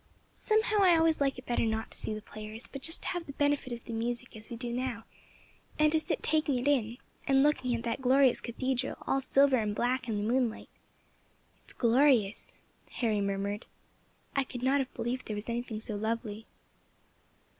Somehow, I always like better not to see the players, but just to have the benefit of the music as we do now, and to sit taking it in, and looking at that glorious cathedral, all silver and black, in the moonlight. It is glorious!" Harry murmured, "I could not have believed there was anything so lovely."